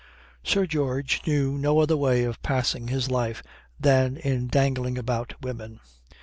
Sir George knew no other way of passing his life than in dangling about women.